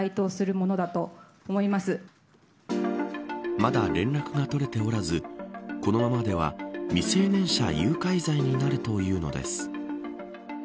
まだ連絡が取れておらずこのままでは未成年者誘拐罪になるというのです。